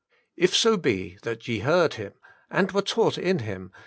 If so be that ye heard Him and were taught in Him